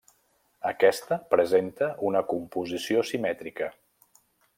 Aquesta presenta una composició simètrica.